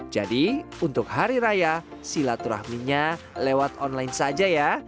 jadi untuk hari raya sila turahminya lewat online saja ya